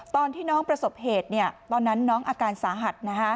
ตอนที่น้องประสบเหตุตอนนั้นน้องอาการสาหัส